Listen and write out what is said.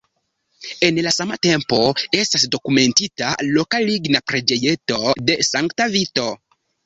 En la sama tempo estas dokumentita loka ligna preĝejeto de sankta Vito.